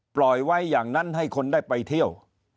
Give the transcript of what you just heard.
ปล่อยไว้อย่างนั้นให้คนได้ไปเที่ยว